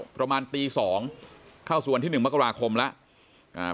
ประมาณตีสองเข้าสู่วันที่หนึ่งมกราคมแล้วอ่า